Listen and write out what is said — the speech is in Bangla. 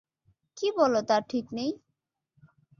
কী বল তার ঠিক নেই।